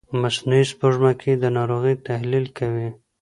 مصنوعي سپوږمکۍ د ناروغۍ تحلیل کوي.